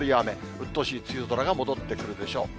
うっとうしい梅雨空が戻ってくるでしょう。